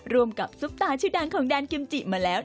รวมกับซุปตาชื่อดังของแดนกิมจิมาแล้ว